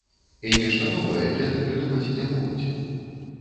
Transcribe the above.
І нешта новае яны прыдумаць не могуць.